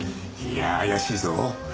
いや怪しいぞ。